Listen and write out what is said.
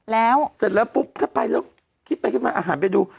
แล้วเสร็จแล้วปุ๊บถ้าไปแล้วคิดไปคิดมาอาหารไปดู